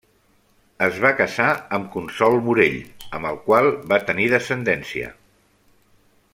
Es va casar amb Consol Morell, amb el qual va tenir descendència.